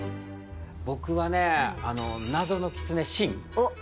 僕はね謎のキツネシンおっ